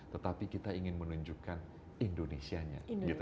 tetapi kita ingin menunjukkan indonesia nya